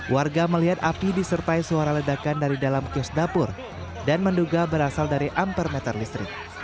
warga melihat api disertai suara ledakan dari dalam kios dapur dan menduga berasal dari ampermeter listrik